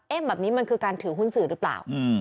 แบบนี้มันคือการถือหุ้นสื่อหรือเปล่า